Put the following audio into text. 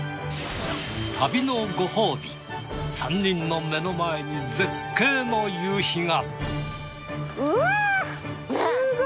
旅のごほうび３人の目の前に絶景の夕日が。